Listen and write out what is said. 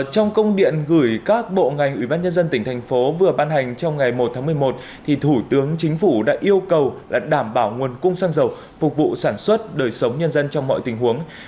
trong công điện gửi các bộ ngành ủy ban nhân dân tỉnh thành phố vừa ban hành trong ngày một tháng một mươi một thì thủ tướng chính phủ đã yêu cầu là đảm bảo nguồn cung xăng dầu phục vụ sản xuất đời sống nhân dân trong mọi tình huống